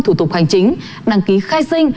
thủ tục hành chính đăng ký khai sinh